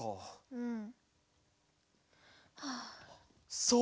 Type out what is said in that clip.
うん。